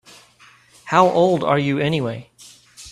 How old are you anyway?